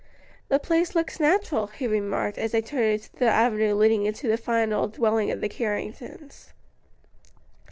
"The place looks natural," he remarked, as they turned into the avenue leading to the fine old dwelling of the Carringtons.